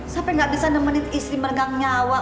sampai gak bisa nemenin istri mergang nyawa